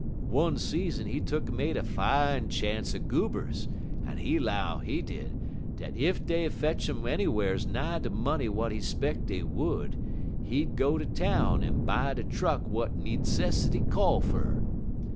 One season he tuck'n made a fine chance er goobers, en he 'low, he did, dat ef dey fetch 'im anywhars nigh de money w'at he 'speck dey would, he go ter town en buy de truck w'at needcessity call fer.